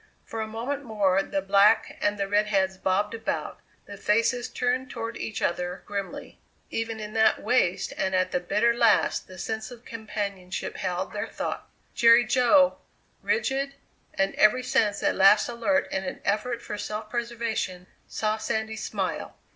For a moment more the black and the red heads bobbed about, the faces turned toward each other grimly. Even in that waste and at the bitter last the sense of companionship held their thought. Jerry Jo, rigid and every sense at last alert in an effort for self preservation, saw Sandy smile.